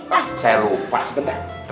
pak saya lupa sebentar